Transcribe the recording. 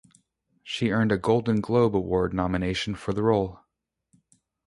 She earned a Golden Globe Award nomination for the role.